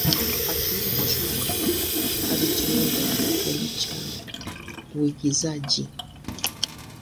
Akiwa chuo, alijiunga na kikundi cha uigizaji.